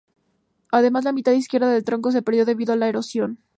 Además, la mitad izquierda del tronco se perdió debido a la erosión.